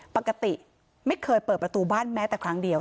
ปกติไม่เคยเปิดประตูบ้านแม้แต่ครั้งเดียว